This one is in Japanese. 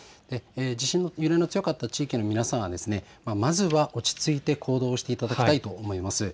地震の揺れの強かった地域の皆さんはまずは落ち着いて行動をしていただきたいと思います。